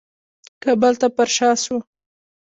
کابل ته پرشا شو.